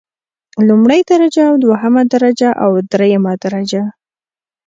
لومړۍ درجه او دوهمه درجه او دریمه درجه.